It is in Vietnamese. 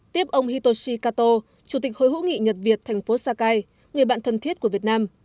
tiếp ông hitoshi kato chủ tịch hội hữu nghị nhật việt thành phố sakai người bạn thân thiết của việt nam